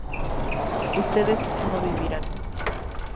ustedes no vivirán